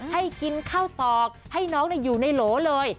ให้กินข้าวตอกให้น้องอยู่ในโหลเลย